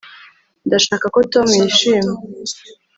ndashaka ko tom yishima